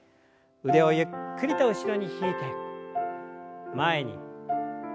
腕をゆっくりと後ろに引いて前に。